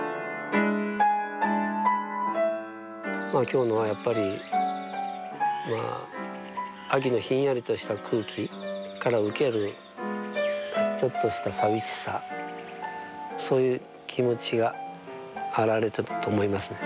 今日のはやっぱりまあ秋のひんやりとした空気から受けるちょっとした寂しさそういう気持ちが表れたと思いますね。